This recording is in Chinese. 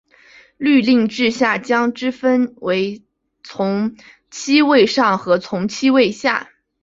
律令制下将之分为从七位上和从七位下。